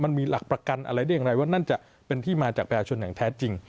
มันมีหลักประกันอะไรได้อย่างไรว่านั่นจะเป็นที่มาจากประชาชนอย่างแท้จริง